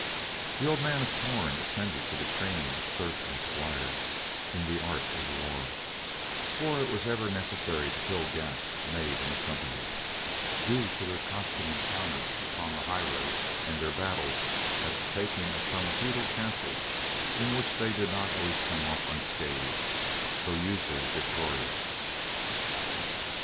The old man of Torn attended to the training of serf and squire in the art of war, for it was ever necessary to fill the gaps made in the companies, due to their constant encounters upon the highroad and their battles at the taking of some feudal castle; in which they did not always come off unscathed, though usually victorious.